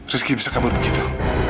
rizky bisa kabur begitu